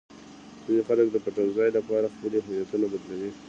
ځینې خلک د پټنځای لپاره خپلې هویتونه بدلوي.